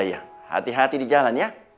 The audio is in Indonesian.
iya hati hati di jalan ya